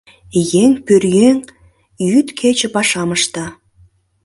Еҥ пӧръеҥ йӱд-кече пашам ышта...